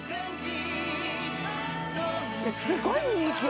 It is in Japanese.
すごい人気よ